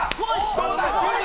どうだ？